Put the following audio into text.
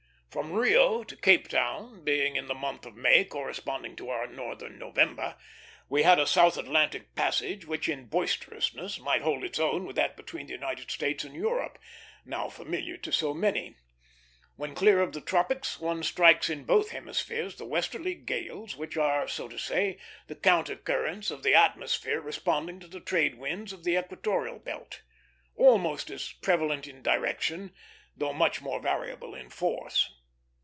From Rio to Capetown, being in the month of May, corresponding to our northern November, we had a South Atlantic passage which in boisterousness might hold its own with that between the United States and Europe, now familiar to so many. When clear of the tropics, one strikes in both hemispheres the westerly gales which are, so to say, the counter currents of the atmosphere responding to the trade winds of the equatorial belt almost as prevalent in direction, though much more variable in force.